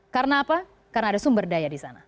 karena apa karena ada sumber daya di sana